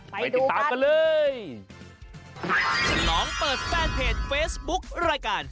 ไปติดตามกันเลยไปดูกัน